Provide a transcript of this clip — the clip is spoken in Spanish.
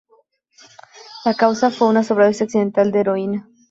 La causa fue una sobredosis accidental de heroína.